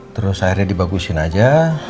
terus akhirnya dibagusin aja